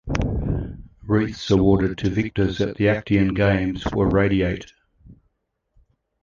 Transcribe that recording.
Wreaths awarded to victors at the Actian Games were radiate.